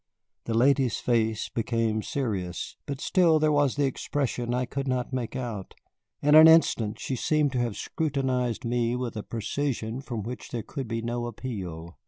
The lady's face became serious, but still there was the expression I could not make out. In an instant she seemed to have scrutinized me with a precision from which there could be no appeal.